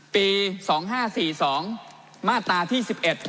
ปี๒๕๔๒มาตราที่๑๑